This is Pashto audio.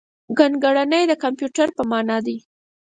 ګڼکړنی د کمپیوټر په مانا دی.